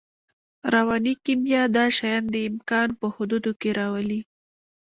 رواني کیمیا دا شیان د امکان په حدودو کې راولي